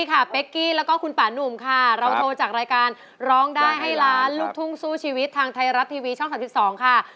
เป๊กกี้แล้วก็คุณป่านุ่มค่ะเราโทรจากรายการร้องได้ให้ล้านลูกทุ่งสู้ชีวิตทางไทยรัฐทีวีช่อง๓๒ค่ะ